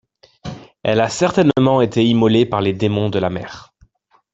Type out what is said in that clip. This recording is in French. Elle a certainement été immolée par les démons de la mer.